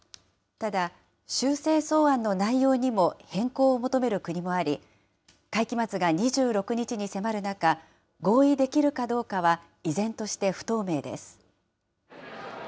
ただ、修正草案の内容にも変更を求める国もあり、会期末が２６日に迫る中、合意できるかどうかは依然として不透明です。